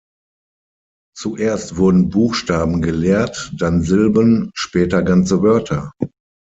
Zuerst wurden Buchstaben gelehrt, dann Silben, später ganze Wörter.